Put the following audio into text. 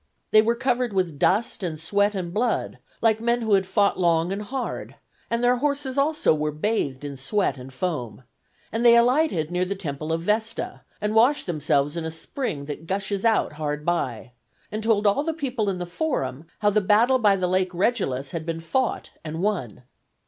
They were covered with dust and sweat and blood, like men who had fought long and hard, and their horses also were bathed in sweat and foam: and they alighted near the Temple of Vesta, and washed themselves in a spring that gushes out hard by, and told all the people in the Forum how the battle by the Lake Regillus had been fought and won.